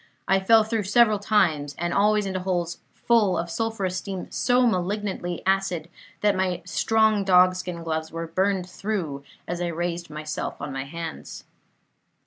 I fell through several times, and always into holes full of sulphurous steam so malignantly acid that my strong dogskin gloves were burned through as I raised myself on my hands.